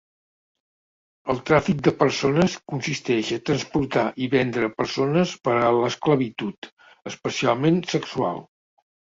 El tràfic de persones consisteix a transportar i vendre persones per a l'esclavitud, especialment sexual.